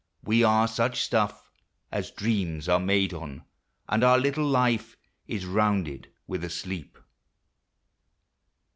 We are such stuff As dreams are made on ; and our little life Is rounded with a sleep.